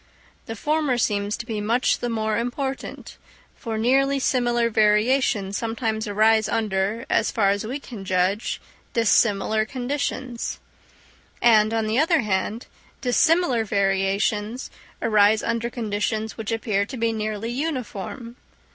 The former seems to be much the more important; for nearly similar variations sometimes arise under, as far as we can judge, dissimilar conditions; and, on the other hand, dissimilar variations arise under conditions which appear to be nearly uniform.